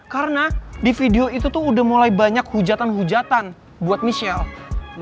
karena di video itu tuh udah mulai banyak hujatan hujatan buat michelle